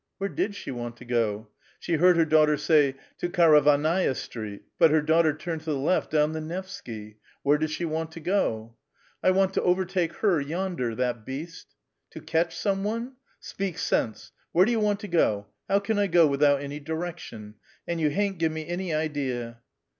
Where did she want to go? she heard her daughter say, ^'' To Karavannai'a Street" ; but her daughter turned to the left dowu the Nevsky. Where does she want to go ?" I want to overtake her yonder, that beast !"" To ketch some one? Speak sense ; where do you want to go ? How can I go without any directions ? And you hain't given me any idea."